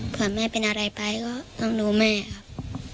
แม่เป็นอะไรไปก็ต้องดูแม่ครับ